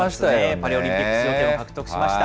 パリオリンピック出場権を獲得しました。